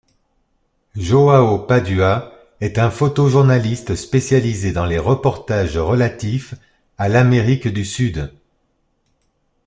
Joao Padua est un photojournaliste spécialisé dans les reportages relatifs à l'Amérique du Sud.